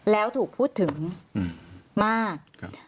แล้วถูกพูดถึงมาก